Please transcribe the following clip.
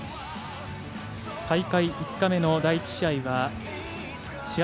大会５日目の第１試合は試合